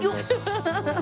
ハハハハ！